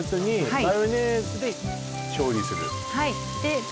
はい